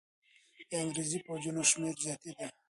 د انګریزي پوځونو شمېر زیاتېده.